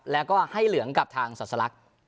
แล้วก็ให้เหลืองกับทางศาสลักษณ์